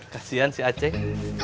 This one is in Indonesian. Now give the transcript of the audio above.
kasihan si aceh